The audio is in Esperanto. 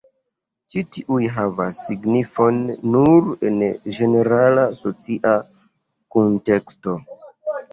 Ĉi tiuj havas signifon nur en ĝenerala socia kunteksto.